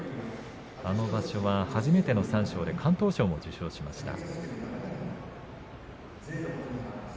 あの場所は初めての三賞で敢闘賞を受賞しました。